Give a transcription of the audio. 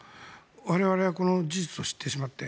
我々はこの事実を知ってしまって。